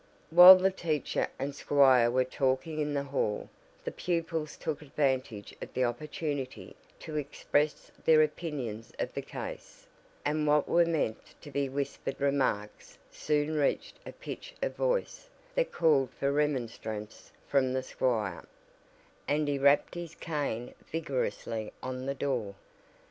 While the teacher and squire were talking in the hall the pupils took advantage of the opportunity to express their opinions of the case, and what were meant to be whispered remarks soon reached a pitch of voice that called for remonstrance from the squire; and he rapped his cane vigorously on the door.